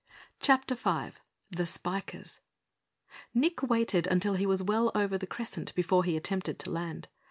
CHAPTER 5 The Spikers Nick waited until he was well over the crescent before he attempted to land.